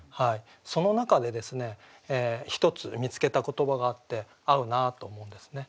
その中で１つ見つけた言葉があって合うなと思うんですね。